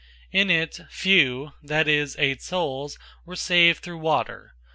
In it, few, that is, eight souls, were saved through water.